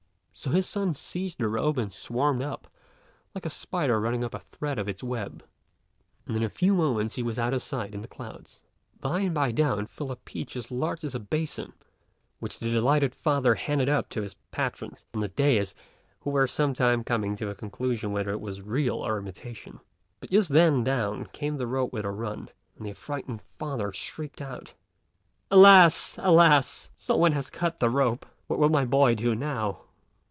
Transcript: So his son seized the rope and swarmed up, like a spider running up a thread of its web; and in a few moments he was out of sight in the clouds. By and by down fell a peach as large as a basin, which the delighted father handed up to his patrons on the dais who were some time coming to a conclusion whether it was real or imitation. But just then down came the rope with a run, and the affrighted father shrieked out, "Alas! alas! some one has cut the rope: what will my boy do now?"